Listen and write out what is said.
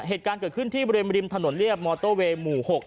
เหตุการณ์เกิดขึ้นที่บริเวณริมถนนเรียบมอเตอร์เวย์หมู่๖